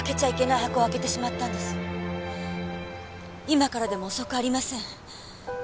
今からでも遅くありません。